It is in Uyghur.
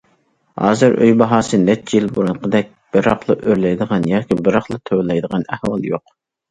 ھازىر ئۆي باھاسى نەچچە يىل بۇرۇنقىدەك بىراقلا ئۆرلەيدىغان ياكى بىراقلا تۆۋەنلەيدىغان ئەھۋال يوق.